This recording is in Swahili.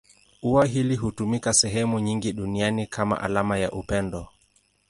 Ua hili hutumika sehemu nyingi duniani kama alama ya upendo.